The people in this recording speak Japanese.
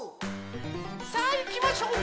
さあいきましょう！